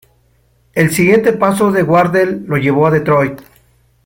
El siguiente paso de Wardell lo llevó a Detroit.